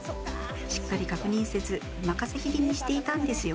しっかり確認せず任せきりにしていたんですよ。